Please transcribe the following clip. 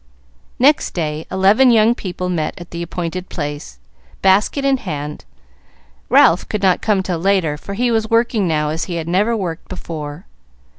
Next day eleven young people met at the appointed place, basket in hand. Ralph could not come till later, for he was working now as he never worked before.